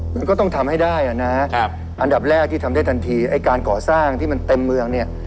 มันก็ต้องทำให้ได้อ่ะนะครับอันดับแรกที่ทำได้ทันทีไอ้การก่อสร้างที่มันเต็มเมืองเนี่ย